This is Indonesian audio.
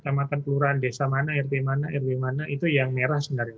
kecamatan kelurahan desa mana rt mana rw mana itu yang merah sebenarnya